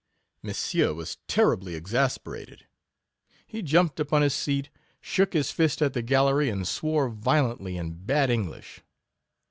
Monsieur was ter ribly exasperated ; .he jumped upon his seat, shook his fist at the gallery, and swore vio 18 lently in bad English.